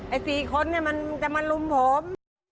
ไอ้สี่คนเนี่ยมันจะมาลุมผม